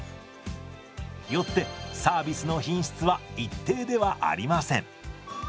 よってサービスの品質は一定ではありません。